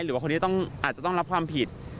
หรือว่าคนนี้อาจจะต้องรับความผิด